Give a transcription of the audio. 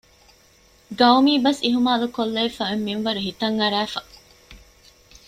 ޤައުމީ ބަސް އިހުމާލުކޮށްލެވިފައި އޮތް މިންވަރު ހިތަށް އަރައިފަ